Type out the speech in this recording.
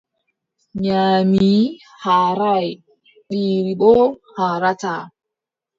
Nyaamii haaraay, ɓiiri boo haarataa.